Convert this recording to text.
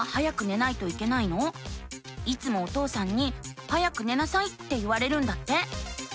いつもお父さんに「早く寝なさい」って言われるんだって。